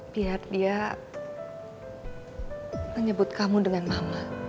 biar dia menyebut kamu dengan mama